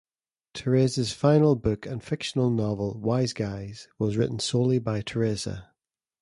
Teresa's final book and fictional novel, "Wiseguys", was written solely by Teresa.